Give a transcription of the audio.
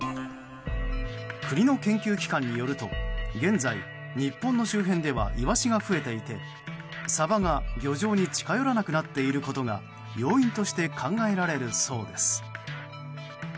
国の研究機関によると現在、日本の周辺ではイワシが増えていてサバが漁場に近寄らなくなっていることが要因として考えられるそうです。